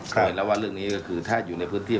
เห็นแล้วว่าเรื่องนี้ก็คือถ้าอยู่ในพื้นที่